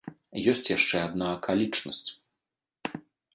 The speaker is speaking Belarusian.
Ёсць яшчэ адна акалічнасць.